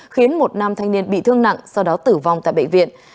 khiến một nam thanh niên bị thương nặng sau đó tử vong tại bệnh viện